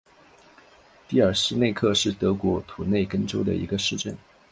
蒂尔施内克是德国图林根州的一个市镇。